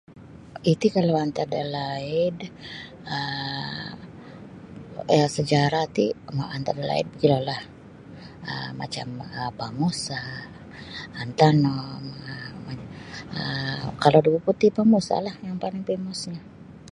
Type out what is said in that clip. Iti kalau antad dalaid um sejarah ti antad dalaid mogilolah um macam Pak Musa Antenom um kalau da Beaufort ti Pak Musalah yang paling famousnyo.